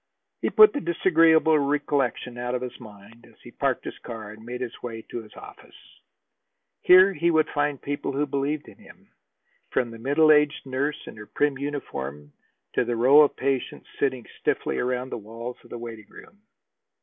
He put the disagreeable recollection out of his mind as he parked his car and made his way to his office. Here would be people who believed in him, from the middle aged nurse in her prim uniform to the row of patients sitting stiffly around the walls of the waiting room.